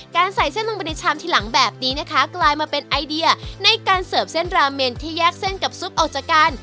ใส่เส้นลงไปในชามทีหลังแบบนี้นะคะกลายมาเป็นไอเดียในการเสิร์ฟเส้นราเมนที่แยกเส้นกับซุปออกจากกัน